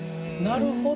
なるほど。